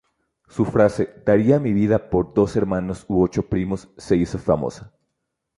Su frase "Daría mi vida por dos hermanos u ocho primos" se hizo famosa.